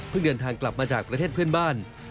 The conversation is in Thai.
เดินทางกลับมาจากประเทศเพื่อนบ้าน